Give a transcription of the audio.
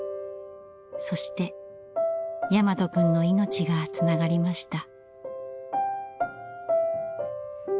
そして大和くんの命がつながりました。